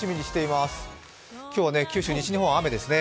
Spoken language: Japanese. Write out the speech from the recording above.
今日は九州、西日本は雨ですね。